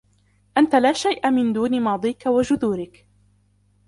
أنت لا شيء من دون ماضيك وجذورك